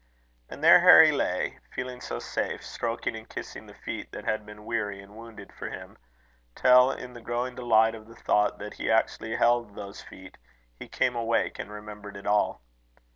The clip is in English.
And there Harry lay, feeling so safe, stroking and kissing the feet that had been weary and wounded for him, till, in the growing delight of the thought that he actually held those feet, he came awake and remembered it all.